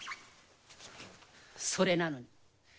それなのに。